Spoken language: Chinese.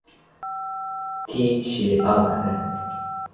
缇骑二百人。